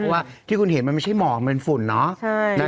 เพราะว่าที่คุณเห็นมันไม่ใช่หมอกมันเป็นฝุ่นเนอะ